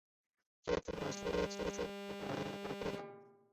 小紫果槭为槭树科槭属下的一个变种。